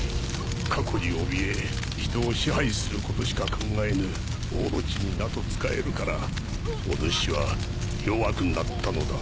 過去におびえ人を支配することしか考えぬオロチになど仕えるからおぬしは弱くなったのだ。